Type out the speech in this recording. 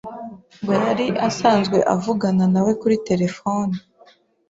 Ngo yari asanzwe avugana na we kuri telefone